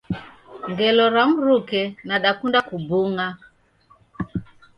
Ngelo ra mruke nadakunda kubung'a